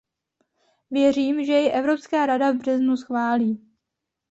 Věřím, že jej Evropská rada v březnu schválí.